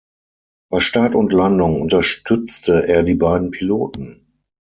Bei Start und Landung unterstützte er die beiden Piloten.